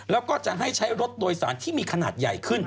แล้วก็จะให้ใช้รถโดยสารที่มีขนาดใหญ่ขึ้น